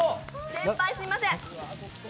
先輩、すみません！